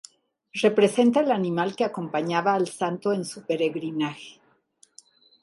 Representa el animal que acompañaba al santo en su peregrinaje.